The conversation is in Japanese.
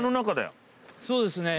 そうですね。